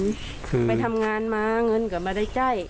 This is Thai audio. มีเดินไปทำงานมาเงินก็มันได้ใช้